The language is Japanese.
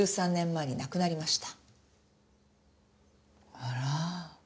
あら。